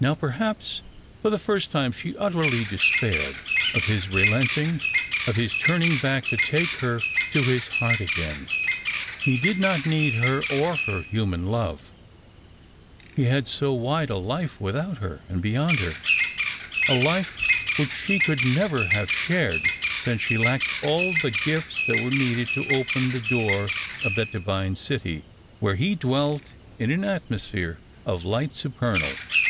Now, perhaps for the first time, she utterly despaired of his relenting — of his turning back to take her to his heart again. He did not need her or her human love. He had so wide a Ufa without her, and beyond her — a life which she could never have shared, since she lacked all the gifts that were needed to open the door of that divine city >vhere he dwelt in an atmosphere of light supernal.